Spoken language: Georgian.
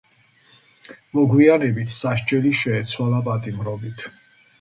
მოგვიანებით სასჯელი შეეცვალა პატიმრობით.